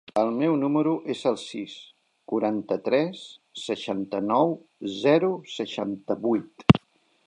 El meu número es el sis, quaranta-tres, seixanta-nou, zero, seixanta-vuit.